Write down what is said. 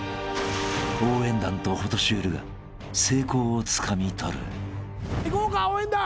［応援団とホトシュールが成功をつかみ取る］いこうか応援団。